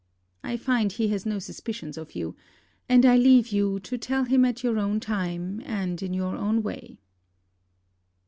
I find he has no suspicions of you; and I leave you to tell him at your own time, and in your own way.